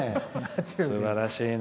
すばらしいね。